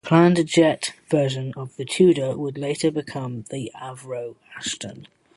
The planned jet version of the Tudor would later become the Avro Ashton.